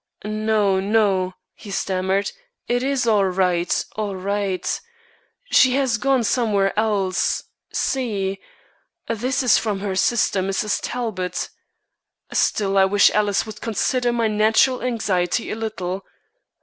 "No, no," he stammered; "it is all right, all right. She has gone somewhere else. See. This is from her sister, Mrs. Talbot. Still, I wish Alice would consider my natural anxiety a little."